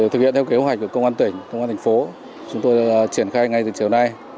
thực hiện theo kế hoạch của công an tỉnh công an thành phố chúng tôi triển khai ngay từ chiều nay